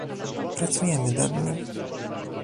Pracujemy nad nim